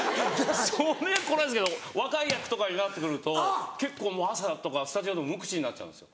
少年役こないですけど若い役とかになってくると結構もう朝とかスタジオでも無口になっちゃうんですよ。